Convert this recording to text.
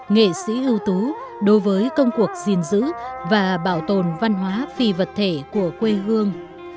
nghệ sĩ ưu tú đối với công cuộc gìn giữ và bảo tồn văn hóa phi vật thể của quê hương